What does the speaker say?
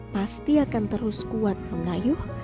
pasti akan terus kuat mengayuh